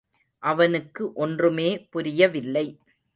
அவனுக்கு ஒன்றுமே புரியவில்லை.